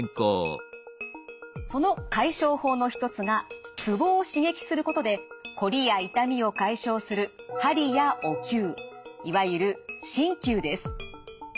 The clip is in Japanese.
その解消法の一つがツボを刺激することでこりや痛みを解消するいわゆる鍼灸です。